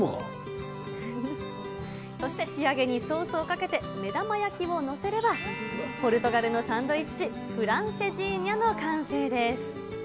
そして仕上げにソースをかけて、目玉焼きを載せればポルトガルのサンドイッチ、フランセジーニャの完成です。